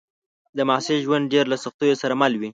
د محصل ژوند ډېر له سختیو سره مل وي